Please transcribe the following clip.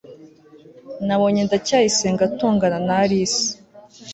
nabonye ndacyayisenga atongana na alice